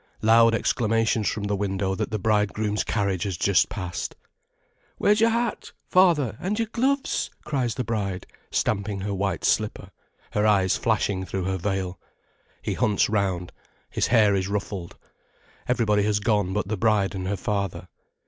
Loud exclamations from the window that the bridegroom's carriage has just passed. "Where's your hat, father, and your gloves?" cries the bride, stamping her white slipper, her eyes flashing through her veil. He hunts round—his hair is ruffled. Everybody has gone but the bride and her father.